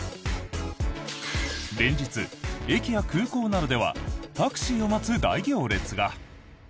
連日、駅や空港などではタクシーを待つ大行列が！